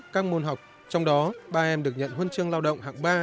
các môn học trong đó ba em được nhận huân chương lao động hạng ba